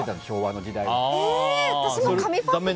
昭和の時代は。